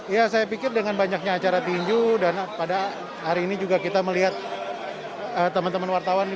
ya saya pikir dengan banyaknya acara tinju dan pada hari ini juga kita melihat teman teman wartawan